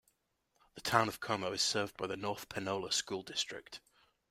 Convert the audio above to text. The Town of Como is served by the North Panola School District.